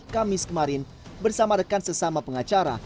kamis kemarin bersama rekan sesama pengacara